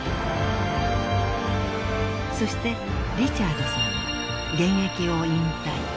［そしてリチャードさんは現役を引退］